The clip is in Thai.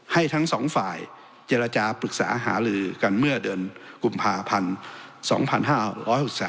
ทั้งสองฝ่ายเจรจาปรึกษาหาลือกันเมื่อเดือนกุมภาพันธ์๒๕๖๓